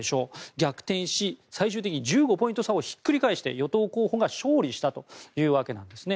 逆転し最終的に１５ポイント差をひっくり返して、与党候補が勝利したというわけなんですね。